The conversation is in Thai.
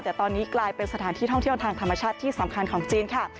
แต่ตอนนี้กลายเป็นสถานที่ท่องเที่ยวทางธรรมชาติที่สำคัญของจีนค่ะ